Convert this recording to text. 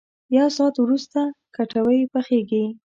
یو ساعت ورست کټوۍ پخېږي.